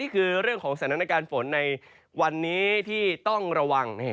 คือเรื่องของสถานการณ์ฝนในวันนี้ที่ต้องระวัง